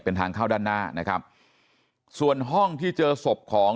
เป็นทางเข้าด้านหน้านะครับส่วนห้องที่เจอศพของ